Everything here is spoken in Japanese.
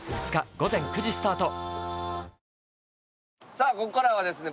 さあここからはですね